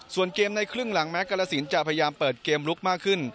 ส่วนเกมในครึ่งหลังแม้กรสินจะพยายามเปิดเกมลุกมากขึ้น